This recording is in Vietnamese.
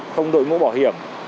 không đội mũ bảo hiểm